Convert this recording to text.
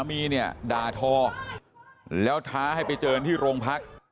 มีเนี่ยด่าทอแล้วท้าให้ไปเจอที่โรงพัก